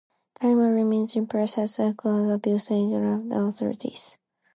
Karma remains imprisoned and has alleged abuse at the hands of prison authorities.